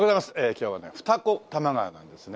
今日はね二子玉川なんですね。